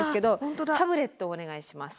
タブレットをお願いします。